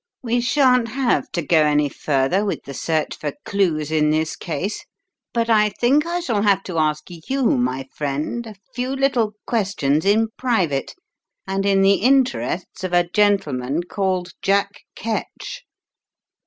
We shan't have to go any further with the search for clues in this case; but I think I shall have to ask you, my friend, a few little questions in private, and in the interests of a gentleman called Jack Ketch!"